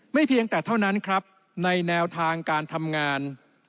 เพียงแต่เท่านั้นครับในแนวทางการทำงาน